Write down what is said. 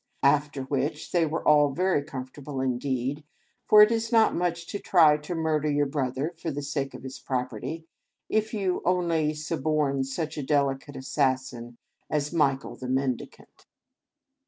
After which, they were all very comfortable indeed. For it is not much to try to murder your brother for the sake of his property, if you only suborn such a delicate assassin as Michael the Mendicant!